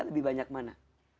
lebih banyak mana